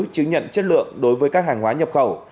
chứng nhận chất lượng đối với các hàng hóa nhập khẩu